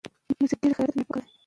اړه او اړوند دوه بېلابېل لغتونه دي.